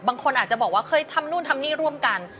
บางคนอาจจะบอกว่าเคยทำนู่นทำนี่ร่วมกัน